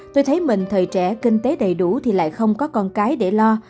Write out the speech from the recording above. tôi thấy mình thời trẻ kinh tế đầy đủ thì lại không có con cái để lo